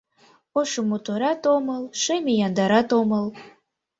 Ошо моторат омыл, шеме яндарат омыл